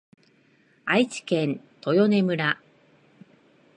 愛知県豊根村